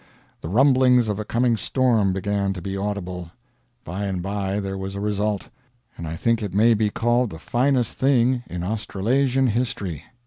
The rumblings of a coming storm began to be audible. By and by there was a result; and I think it may be called the finest thing in Australasian history.